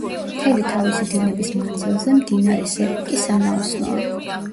მთელი თავისი დინების მანძილზე მდინარე სეპიკი სანაოსნოა.